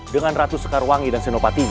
dengan ratu sekarwangi dan senopatinya